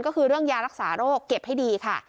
ก็คือเรื่องยารักษาโรคเก็บให้ดีค่ะ